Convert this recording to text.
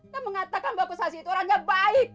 dan mengatakan bahwa gosasi itu orang yang baik